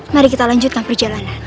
mari kita lanjutkan perjalanan